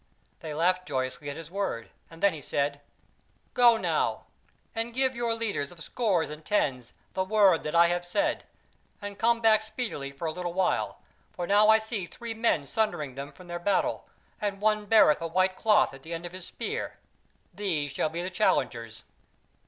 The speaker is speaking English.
They laughed joyously at his word, and then he said: "Go now, and give your leaders of scores and tens the word that I have said, and come back speedily for a little while; for now I see three men sundering them from their battle, and one beareth a white cloth at the end of his spear; these shall be the challengers."